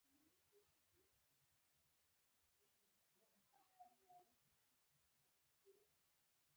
ازادي راډیو د د اوبو منابع په اړه د ولسي جرګې نظرونه شریک کړي.